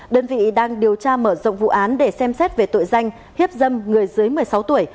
đơn vị đang điều tra mở rộng vụ án để xem xét về tội danh hiếp dâm người dưới một mươi sáu tuổi